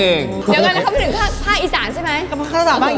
เดี๋ยวก่อนเข้าไปถึงภาคอีสานใช่ไหม